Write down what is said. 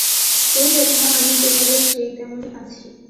এই দেখো, আমি তোমাদের সেই তেমনি আছি।